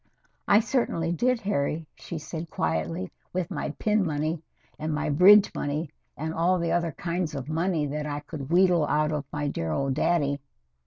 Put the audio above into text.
"I certainly did, Harry," she said quietly. "With my pin money, and my bridge money and all the other kinds of money that I could wheedle out of my dear old daddy.